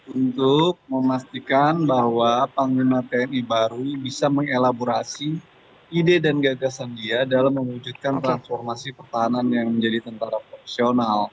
untuk memastikan bahwa panglima tni baru bisa mengelaborasi ide dan gagasan dia dalam mewujudkan transformasi pertahanan yang menjadi tentara profesional